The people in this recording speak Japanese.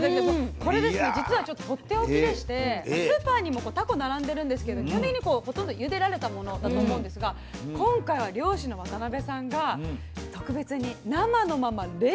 これですね実はとっておきでしてスーパーにもタコ並んでるんですけどほとんどゆでられたものだと思うんですが今回は漁師の渡辺さんが特別に生のまま冷凍して送ってくれたということで。